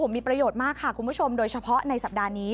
มีประโยชน์มากค่ะคุณผู้ชมโดยเฉพาะในสัปดาห์นี้